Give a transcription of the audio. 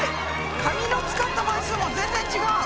紙の使った枚数も全然違う。